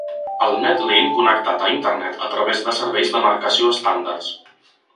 El Net Link connectat a Internet a través de serveis de marcació estàndards.